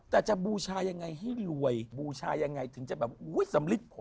แต่จะบูชายังไงให้รวยบูชายังไงถึงจะแบบอุ้ยสำลิดผล